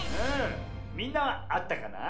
みんなはあったかな？